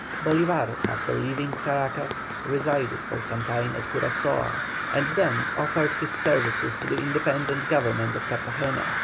Bolívar, after leaving Caracas, resided for some time at Curaçoa, and then offered his services to the independent Government of Cartagena.